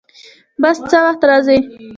بس څه وخت راځي؟